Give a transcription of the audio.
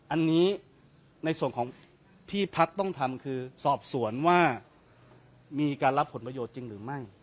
อันนี้ในส่วนของที่พักต้องทำคือสอบสวนว่ามีการรับผลประโยชน์จริงหรือไม่